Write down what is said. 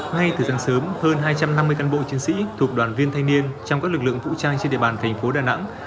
ngay từ sáng sớm hơn hai trăm năm mươi cán bộ chiến sĩ thuộc đoàn viên thanh niên trong các lực lượng vũ trang trên địa bàn thành phố đà nẵng